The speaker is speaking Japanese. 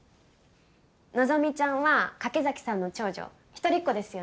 希ちゃんは柿崎さんの長女一人っ子ですよね。